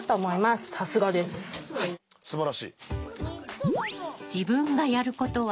すばらしい。